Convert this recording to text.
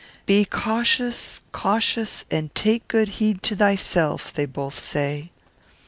"Be cautious, cautious, and take good heed to thyself," they both say.